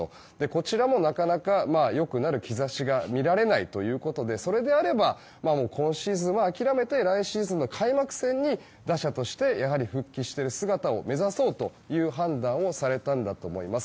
こちらも、なかなか良くなる兆しが見られないということでそれであれば今シーズンは諦めて来シーズンの開幕戦に打者として復帰してる姿を目指そうという判断をされたんだと思います。